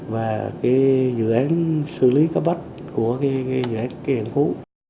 và cái dự án xử lý cá bắt của cái dự án kè an phú